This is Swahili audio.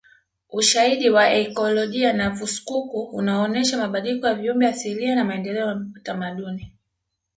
Ushahidi wa akiolojia na visukuku unaonesha mabadiliko ya viumbe asilia na maendeleo ya utamaduni